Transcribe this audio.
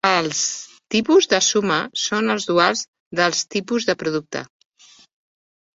Els tipus de suma són els duals dels tipus de producte.